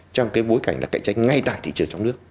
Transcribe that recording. trong bối cảnh cạnh tranh ngay tại thị trường trong nước